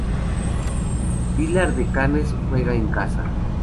Vilar de Canes juega en casa.